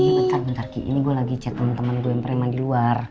bentar bentar ki ini gue lagi chat sama temen gue yang preman di luar